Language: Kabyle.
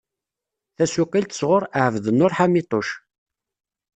Tasuqqilt sɣur Ɛebdnnur Ḥamituc.